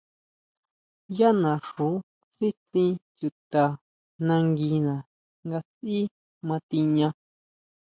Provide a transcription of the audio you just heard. Yá naxu sítsin chuta nanguina nga sʼí ma tiña.